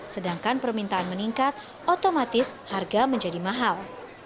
sedangkan permintaan meningkat otomatis harga menjadi mahal